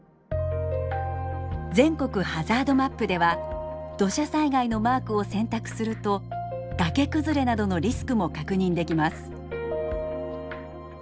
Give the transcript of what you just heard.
全国ハザードマップでは土砂災害のマークを選択すると崖崩れなどのリスクも確認できます。